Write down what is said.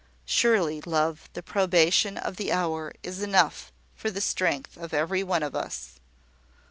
Surely, love, the probation of the hour is enough for the strength of every one of us."